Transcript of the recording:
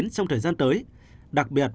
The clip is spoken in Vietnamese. trong thời gian tới đặc biệt